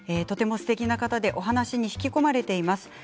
とてもすてきな方でお話に引き込まれています。